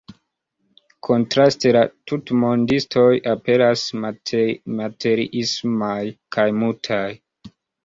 Kontraste, la tutmondistoj aperas materiismaj kaj mutaj.